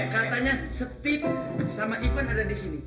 katanya seti sama ivan ada disini